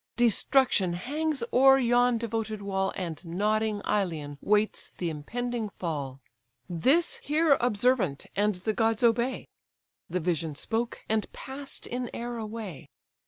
Destruction hangs o'er yon devoted wall, And nodding Ilion waits the impending fall. This hear observant, and the gods obey!' The vision spoke, and pass'd in air away.